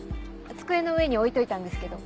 机の上に置いといたんですけど。